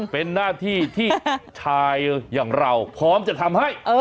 เป็นหน้าที่ที่ชายอย่างเราพร้อมจะทำให้